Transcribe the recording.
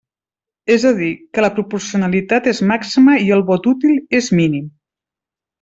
És a dir, que la proporcionalitat és màxima i el vot útil és mínim.